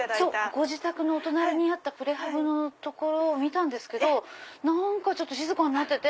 ご自宅のお隣にあったプレハブの所を見たんですけど何か静かになってて。